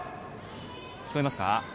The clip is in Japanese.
聞こえますか？